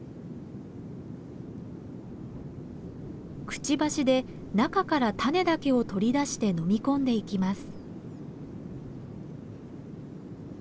くちばしで中から種だけを取り出して飲み込んでいきます。